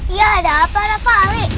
iya ada apa pak ali